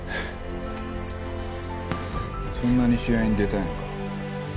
そんなに試合に出たいのか。